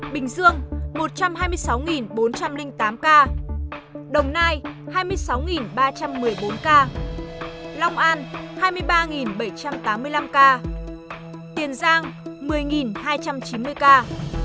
sáu tỉnh thành phố ghi nhận số ca mắc cao là thành phố hồ chí minh hai trăm bốn mươi một tám mươi bốn ca bình dương một trăm hai mươi sáu bốn trăm linh tám ca đồng nai hai mươi sáu ba trăm một mươi bốn ca long an hai mươi ba bảy trăm tám mươi năm ca tiền giang một mươi hai trăm chín mươi ca